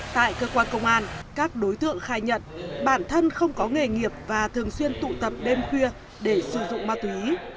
tại cơ quan công an các đối tượng khai nhận bản thân không có nghề nghiệp và thường xuyên tụ tập đêm khuya để sử dụng ma túy